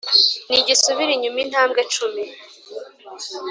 Nigisubire inyuma intambwe cumi